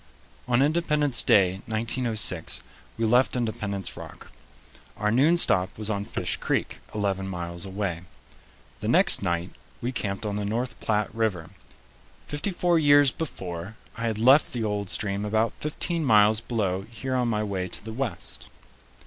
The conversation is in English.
On Independence Day, 1906, we left Independence Rock. Our noon stop was on Fish Creek, eleven miles away. The next night we camped on the North Platte River. Fifty four years before, I had left the old stream about fifteen miles below here on my way to the West.